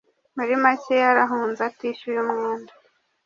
Muri make yarahunze atishyuye umwenda